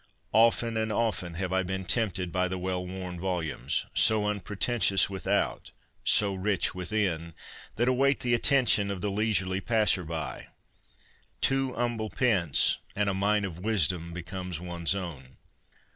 Often and often have I been tempted by the 42 CONFESSIONS OF A BOOK LOVER well worn volumes — so unpretentious without, so rich within — that await the attention of the leisurely passer by. Two humble pence, and a mine of wisdom becomes one's own.